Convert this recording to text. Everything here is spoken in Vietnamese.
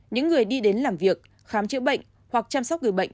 những người đi đến làm việc khám chữa bệnh hoặc chăm sóc người bệnh